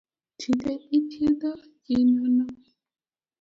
Tinde ithiedho ji nono